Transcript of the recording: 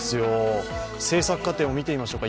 制作過程を見てみましょうか。